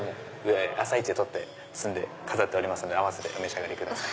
朝イチで採って摘んで飾っておりますので併せてお召し上がりください。